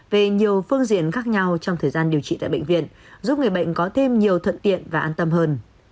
về nhiều phương diện khác nhau trong thời gian điều trị tại bệnh viện giúp người bệnh có thêm nhiều thuận tiện và an tâm hơn